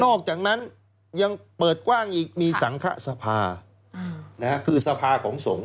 หลังจากนั้นยังเปิดกว้างอีกมีสังคสภาคือสภาของสงฆ